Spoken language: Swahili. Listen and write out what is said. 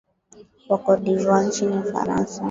wa cote de voire nchini ufaransa